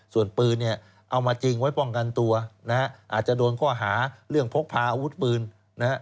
ส่วนปืนเอามาจริงไว้ป้องกันตัวอาจจะโดนข้อหาเรื่องพกพาอาวุธปืน